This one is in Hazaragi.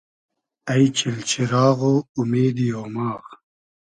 اݷ چیل چیراغ و اومیدی اۉماغ